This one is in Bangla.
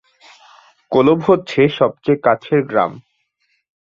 কোলব হচ্ছে সবচেয়ে কাছের গ্রাম।